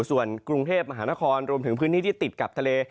ส่วนกรุงเทพมหานครรวมถึงพื้นที่ที่ติดกับทะเล